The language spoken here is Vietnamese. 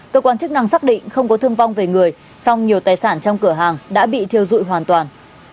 cơ quan chức năng xác định không có thương vong về người song nhiều tài sản trong cửa hàng đã bị thiêu dụi hoàn toàn